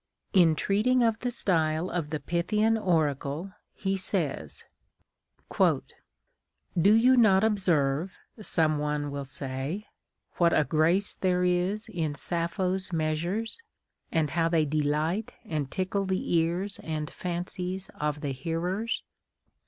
In treating of the style of the Pythian Oracle, he says, —" Do you not observe, some one will say, what a grace there is in Sap pho's measures, and how tliey delight and tickle the ears and fancies of the hearers?